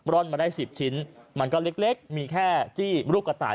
ร่อนมาได้๑๐ชิ้นมันก็เล็กมีแค่จี้รูปกระต่าย